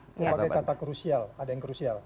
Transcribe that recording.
kalau pakai kata krusial ada yang krusial